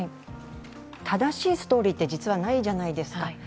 正しいストーリーって実はないじゃないですか。